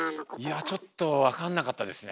いやちょっとわかんなかったですね。